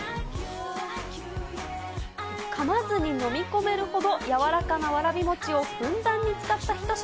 かまずに飲み込めるほど柔らかなわらびもちをふんだんに使った一品。